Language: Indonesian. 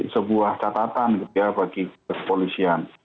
sebuah catatan gitu ya bagi kepolisian